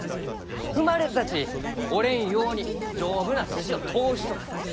踏まれたち折れんように丈夫な筋を通しちょく。